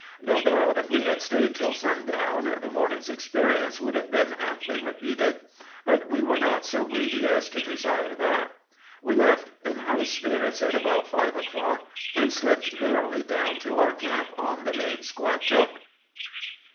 No doubt if we had stayed till sundown the morning's experience would have been amply repeated; but we were not so greedy as to desire that. We left in high spirits at about five o'clock, and slipped merrily down to our camp on the main Squatook.